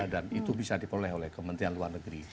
dan itu bisa diperoleh oleh kementerian luar negeri